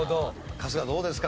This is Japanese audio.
春日どうですか？